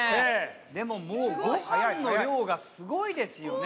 でもご飯の量がすごいですよね！